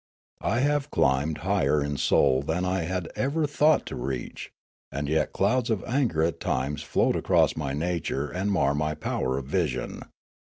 I have climbed higher in soul than I had ever thought to reach; and yet clouds of anger at times float across my nature and mar mj' power of vision.